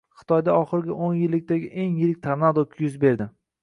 Xitoyda oxirgi o‘n yillikdagi eng yirik tornado yuz berdi